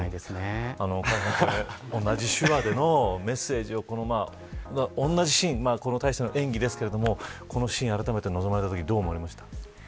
同じ手話でのメッセージを同じシーンの演技ですがこのシーンにあらためて臨まれたときは、どうでしたか。